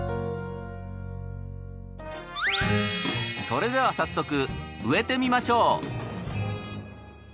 それでは早速植えてみましょう。